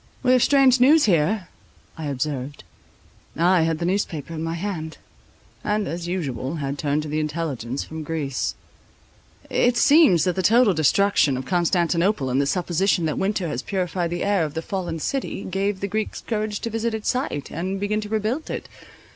"We have strange news here," I observed. I had the newspaper in my hand, and, as usual, had turned to the intelligence from Greece. "It seems that the total destruction of Constantinople, and the supposition that winter had purified the air of the fallen city, gave the Greeks courage to visit its site, and begin to rebuild it.